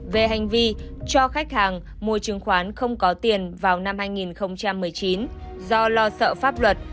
về hành vi cho khách hàng mua chứng khoán không có tiền vào năm hai nghìn một mươi chín do lo sợ pháp luật